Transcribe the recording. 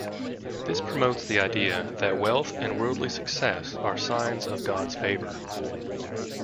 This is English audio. This promotes the idea that wealth and worldly success are signs of God's favour.